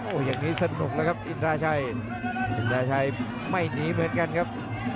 อย่างนี้สนุกแล้วครับอินทราชัยอินทราชัยไม่หนีเหมือนกันครับ